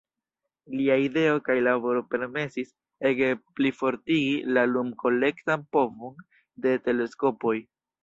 Lia ideo kaj laboro permesis ege plifortigi la lum-kolektan povon de teleskopoj.